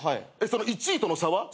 その１位との差は？